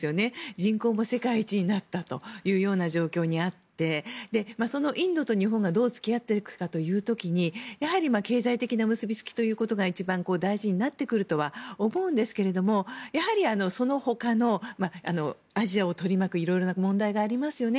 人口も世界一になったというような状況にあってそのインドと日本がどう付き合っていくかという時にやはり経済的な結びつきということが一番大事になってくるとは思いますがそのほかのアジアを取り巻く色々な問題がありますよね。